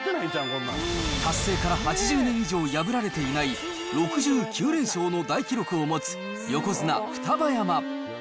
達成から８０年以上破られていない、６９連勝を大記録を持つ横綱・双葉山。